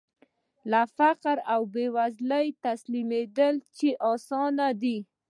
لکه فقر او بېوزلۍ ته تسليمېدل چې اسانه دي.